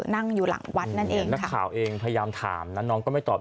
นั่งอยู่หลังวัดนั่นเองนักข่าวเองพยายามถามนะน้องก็ไม่ตอบ